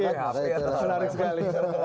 oke menarik sekali